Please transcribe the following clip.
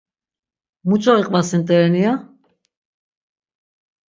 Muç̌o iqvasint̆eren iya?